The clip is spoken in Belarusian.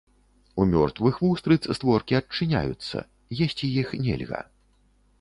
У мёртвых вустрыц створкі адчыняюцца, есці іх нельга.